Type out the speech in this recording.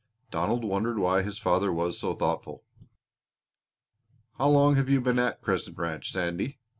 Donald wondered why his father was so thoughtful. "How long have you been at Crescent Ranch, Sandy?"